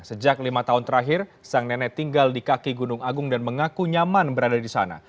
sejak lima tahun terakhir sang nenek tinggal di kaki gunung agung dan mengaku nyaman berada di sana